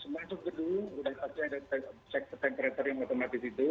masuk gedung sudah pasti ada temperator yang otomatis itu